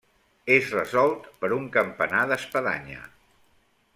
És resolt per un campanar d'espadanya.